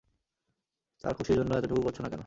তার খুশির জন্য এতটুকু করছো না কেন?